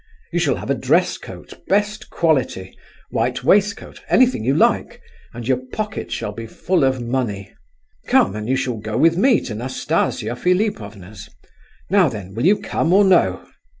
You shall have a dress coat, best quality, white waistcoat, anything you like, and your pocket shall be full of money. Come, and you shall go with me to Nastasia Philipovna's. Now then will you come or no?"